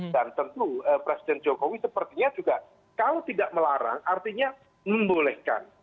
dan tentu presiden jokowi sepertinya juga kalau tidak melarang artinya membolehkan